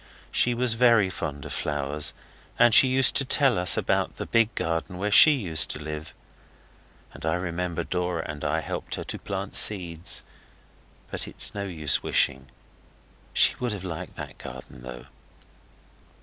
She was very fond of flowers, and she used to tell us about the big garden where she used to live; and I remember Dora and I helped her to plant seeds. But it is no use wishing. She would have liked that garden, though.